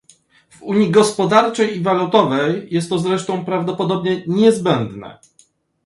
W unii gospodarczej i walutowej jest to zresztą prawdopodobnie niezbędne